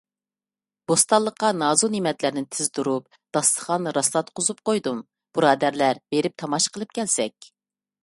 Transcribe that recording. بوستانلىققا نازۇنېمەتلەرنى تىزدۇرۇپ، داستىخان راسلاتقۇزۇپ قويدۇم. بۇرادەرلەر، بېرىپ تاماشا قىلىپ كەلسەك.